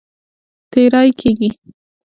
تېری کیږي.